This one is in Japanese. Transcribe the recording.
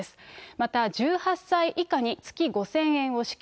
また１８歳以下に月５０００円を支給。